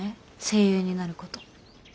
声優になること。